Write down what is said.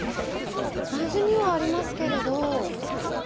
なじみはありますけれど農作物？